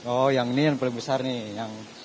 oh yang ini yang paling besar nih yang